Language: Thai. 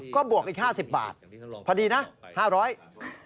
ก็บวกอีก๕๐บาทพอดีนะ๕๐๐บาท